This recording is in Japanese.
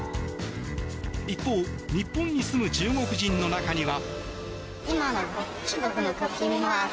一方、日本に住む中国人の中には。